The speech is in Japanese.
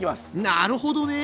なるほどね！